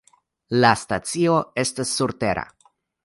La stacio estas surtera.